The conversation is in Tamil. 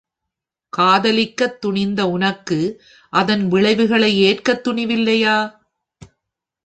காதலிக்கத் துணிந்த உனக்கு அதன் விளைவுகளை ஏற்கத் துணிவில்லையா?